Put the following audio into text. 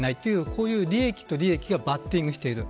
こういう、利益と利益がバッティングしている。